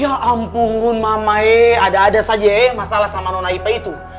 ya ampun mama ee ada ada saja ee masalah sama nona ip itu